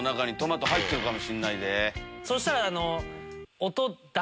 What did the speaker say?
そしたら。